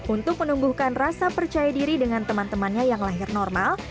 untuk menumbuhkan rasa percaya diri dengan teman temannya yang lahir normal